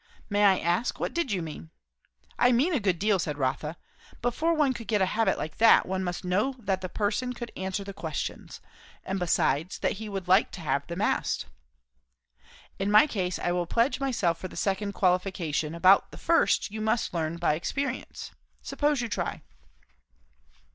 May I ask, what did you mean?" "I mean a good deal," said Rotha. "Before one could get a habit like that, one must know that the person could answer the questions; and besides, that he would like to have them asked." "In my case I will pledge myself for the second qualification; about the first you must learn by experience. Suppose you try."